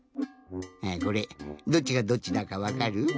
あこれどっちがどっちだかわかる？